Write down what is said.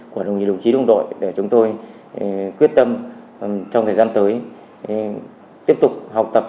của đồng chí đồng đội để chúng tôi quyết tâm trong thời gian tới tiếp tục học tập